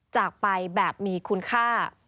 จากไปแบบมีคุณค่า